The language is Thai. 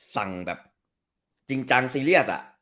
สั่งแบบจริงจังซีเรียส